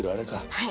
はい。